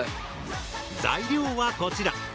材料はこちら。